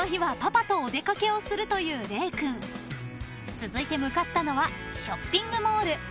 ［続いて向かったのはショッピングモール］